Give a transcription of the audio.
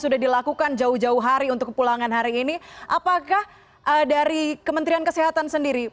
sudah dilakukan jauh jauh hari untuk kepulangan hari ini apakah dari kementerian kesehatan sendiri